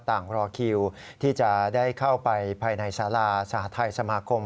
รอคิวที่จะได้เข้าไปภายในสาราสหทัยสมาคม